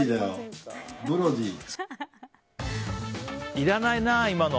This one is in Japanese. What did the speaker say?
いらないな、今の。